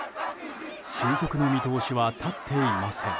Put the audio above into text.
収束の見通しは立っていません。